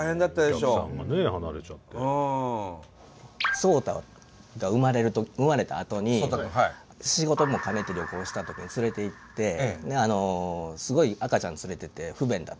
颯太が生まれたあとに仕事も兼ねて旅行した時に連れていってすごい赤ちゃん連れてて不便だったんですね。